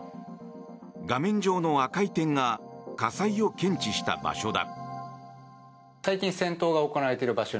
画面上の赤い点が火災を検知した場所だ。